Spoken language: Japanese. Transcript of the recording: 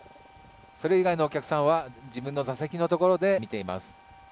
それ以外のお客さんは、自分の座席のところで見ています。